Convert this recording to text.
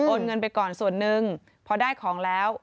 เงินไปก่อนส่วนหนึ่งพอได้ของแล้ว